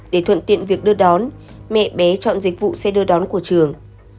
để thuận tiện việc đưa đón mẹ bé chọn dịch vụ xe đưa đón của trường